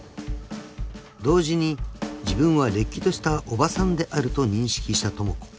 ［同時に自分はれっきとしたおばさんであると認識した智子］